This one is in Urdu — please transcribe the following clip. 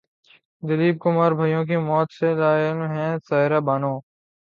دلیپ کمار بھائیوں کی موت سے لاعلم ہیں سائرہ بانو